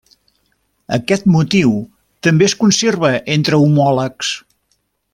Aquest motiu també es conserva entre homòlegs.